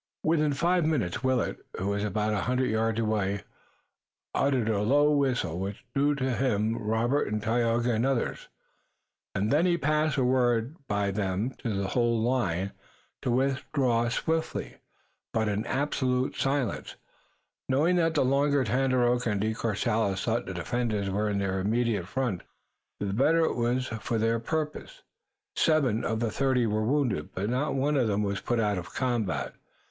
Within five minutes Willet, who was about a hundred yards away, uttered a low whistle, which drew to him Robert, Tayoga and others, and then he passed the word by them to the whole line to withdraw swiftly, but in absolute silence, knowing that the longer Tandakora and De Courcelles thought the defenders were in their immediate front the better it was for their purpose. Seven of the thirty were wounded, but not one of them was put out of the combat.